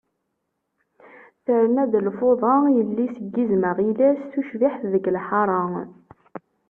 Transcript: Terna-d lfuḍa, yelli-s n yizem aɣilas, tucbiḥt deg lḥara.